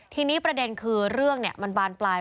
ทีนี้ประเด็นคือเรื่องมันบานปลาย